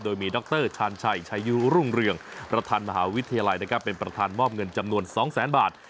โดยมีด๊อกเตอร์ชาญชัยชายรุ่งเรืองประธานมหาวิทยาลัยเป็นประธานมอบเงินจำนวน๒๐๐๐๐๐บาท